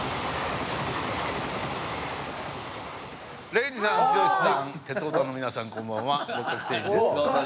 礼二さん剛さん鉄オタの皆さんこんばんは六角精児です。